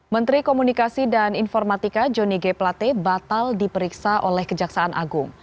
menteri komunikasi dan informatika johnny g plate batal diperiksa oleh kejaksaan agung